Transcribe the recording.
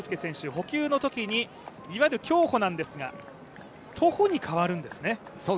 補給のときに、いわゆる競歩ですが徒歩に変わるんですね。